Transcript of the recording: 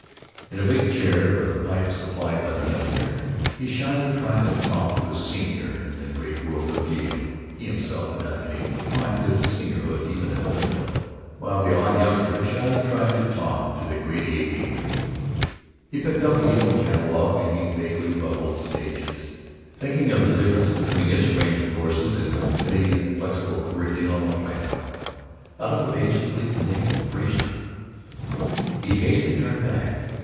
In a big chair, with a pipe supplied by the youngster, he shyly tried to talk to a senior in the great world of Yale (he himself had not been able to climb to seniorhood even in Plato), while the awed youngster shyly tried to talk to the great aviator. He had picked up a Yale catalogue and he vaguely ruffled its pages, thinking of the difference between its range of courses and the petty inflexible curriculum of Plato. Out of the pages leaped the name "Frazer." He hastily turned back.